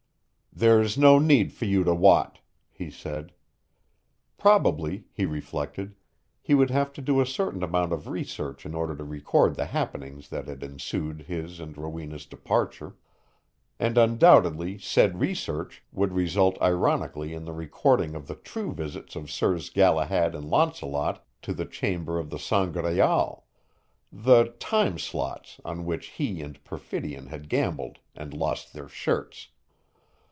"There's no need for you to wot," he said. Probably, he reflected, he would have to do a certain amount of research in order to record the happenings that had ensued his and Rowena's departure, and undoubtedly said research would result ironically in the recording of the true visits of Sirs Galahad and Launcelot to the chamber of the Sangraal the "time slots" on which he and Perfidion had gambled and lost their shirts.